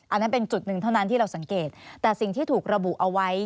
อันนั้นเป็นจุดหนึ่งเท่านั้นที่เราสังเกตแต่สิ่งที่ถูกระบุเอาไว้